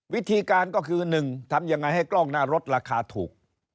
วิธีการก็คือ๑ทำยังไงให้กล้องหน้ารถราคาถูก